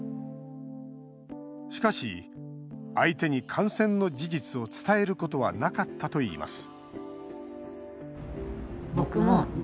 しかし相手に感染の事実を伝えることはなかったといいます